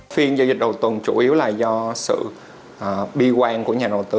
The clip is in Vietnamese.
phiên giao dịch đầu tuần chủ yếu là do sự bi quan của nhà đầu tư